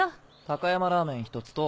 高山ラーメン１つと。